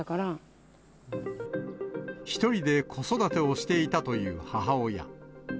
１人で子育てをしていたという母親。